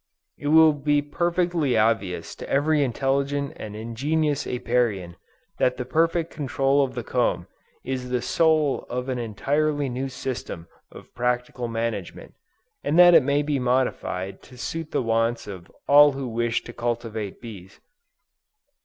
It will be perfectly obvious to every intelligent and ingenious Apiarian, that the perfect control of the comb, is the soul of an entirely new system of practical management, and that it may be modified to suit the wants of all who wish to cultivate bees.